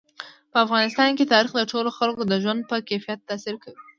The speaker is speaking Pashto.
په افغانستان کې تاریخ د ټولو خلکو د ژوند په کیفیت تاثیر کوي.